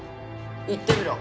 言ってみろ。